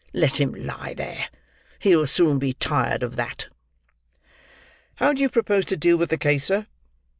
"Let him lie there; he'll soon be tired of that." "How do you propose to deal with the case, sir?"